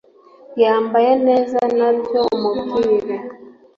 yambaye neza nabyo umubwire